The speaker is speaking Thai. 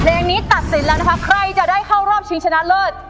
เพลงนี้ตัดสินแล้วนะคะใครจะได้เข้ารอบชิงชนะเลิศ